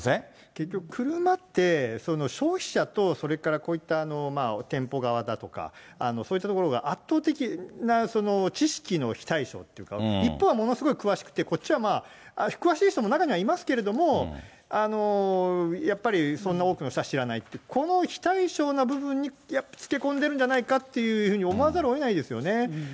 結局、車って消費者と、それからこういった店舗側だとか、そういったところが圧倒的な知識のひたいしょうっていうか、一方はものすごい詳しくて、こっちは詳しい人も中にはいますけれども、やっぱりそんな多くの人は知らないって、このひたいしょうな部分につけ込んでるんじゃないかって思わざるをえないですよね。